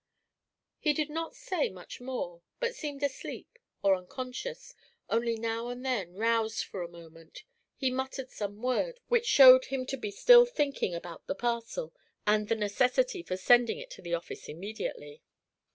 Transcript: He did not say much more, but seemed asleep, or unconscious; only now and then, roused for a moment, he muttered some word which showed him to be still thinking about the parcel, and the necessity for sending it to the office immediately.